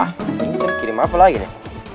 ini bisa dikirim apa lagi nih